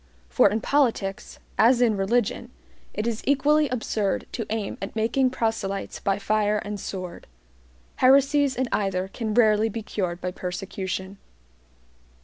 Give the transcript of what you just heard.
For in politics, as in religion, it is equally absurd to aim at making proselytes by fire and sword. Heresies in either can rarely be cured by persecution.